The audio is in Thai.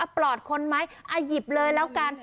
ปลอดคนไหมหยิบเลยแล้วกัน